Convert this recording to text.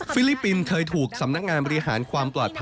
ลิปปินส์เคยถูกสำนักงานบริหารความปลอดภัย